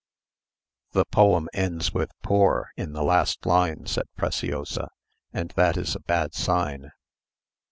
"The poem ends with 'poor' in the last line," said Preciosa; "and that is a bad sign.